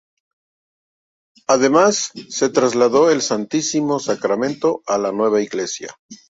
Además, se trasladó el Santísimo Sacramento a la nueva iglesia.